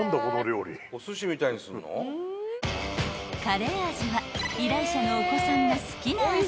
［カレー味は依頼者のお子さんが好きな味］